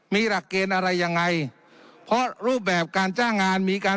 มีหลักเกณฑ์อะไรยังไงเพราะรูปแบบการจ้างงานมีการ